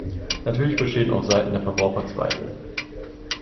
Natürlich bestehen auf seiten der Verbraucher Zweifel.